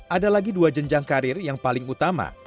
ada lagi dua jenjang karir yang paling utama